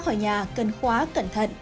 trước khi ra khỏi nhà cần khóa cẩn thận